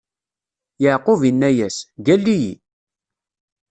Yeɛqub inna-as: Gall-iyi!